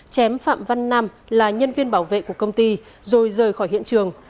chém phạm văn nam là nhân viên bảo vệ của công ty rồi rời khỏi hiện trường